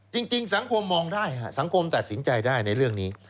จริงสังคมมองได้สังคมตัดสินใจได้ในเรื่องนี้